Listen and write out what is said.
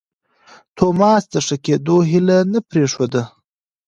توماس د ښه کېدو هیله نه پرېښوده.